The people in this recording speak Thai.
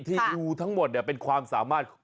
ที่ดูทั้งหมดเป็นความสามารถ